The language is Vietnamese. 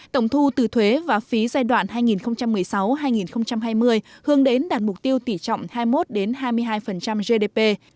tổng thu từ thuế và phí giai đoạn hai nghìn một mươi sáu hai nghìn hai mươi hướng đến đạt mục tiêu tỉ trọng hai mươi một hai mươi hai gdp